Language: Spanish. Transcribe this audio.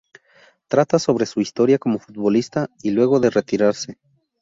Trata sobre su historia como futbolista y luego de retirarse.